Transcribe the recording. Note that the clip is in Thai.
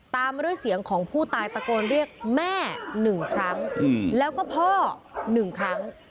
ตามมาด้วยเสียงของผู้ตายตะโกนเรียกแม่๑ครั้งแล้วก็พ่อ๑ครั้ง